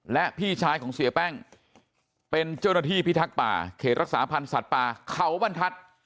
และพี่ชายของเสียแป้งเป็นเจ้าหน้าที่พิทักษ์ป่าเขตรักษาพันธ์สัตว์ป่าเขาบรรทัศน์